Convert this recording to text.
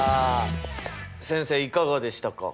先生いかがでしたか。